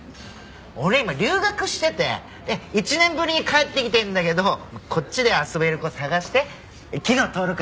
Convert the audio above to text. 俺今留学してて１年ぶりに帰ってきてるんだけどこっちで遊べる子探して昨日登録した。